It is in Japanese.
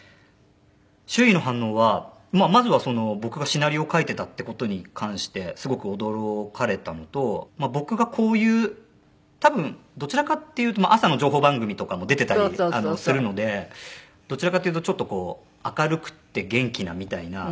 周囲の反応はまあまずは僕がシナリオ書いてたって事に関してすごく驚かれたのと僕がこういう多分どちらかっていうと朝の情報番組とかも出てたりするのでどちらかというとちょっとこう明るくって元気なみたいな。